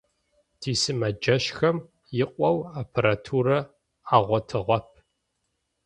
Тисымэджэщхэм икъоу аппаратурэ агъотыгъэп.